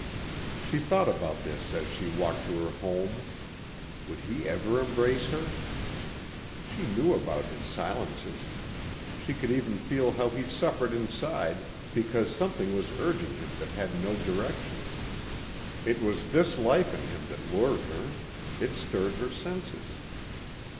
She thought about this as she walked to her home. Would he ever embrace her? She knew about his silences. She could even feel how he suffered inside because something was urging him that had no direction. It was this life in him that lured her. It stirred her senses.